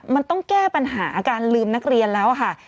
มันต้องแก้ปัญหาการลืมนักเรียนแล้วค่ะ